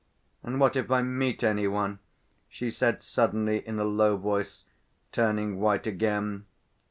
"And what if I meet any one?" she said suddenly, in a low voice, turning white again.